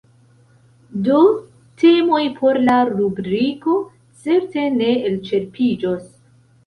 Do temoj por la rubriko certe ne elĉerpiĝos.